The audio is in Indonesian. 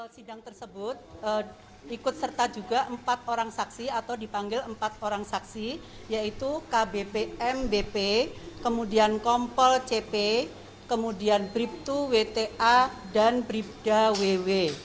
sidang tersebut ikut serta juga empat orang saksi atau dipanggil empat orang saksi yaitu kbpmbp kemudian kompol cp kemudian brib dua wta dan bribda www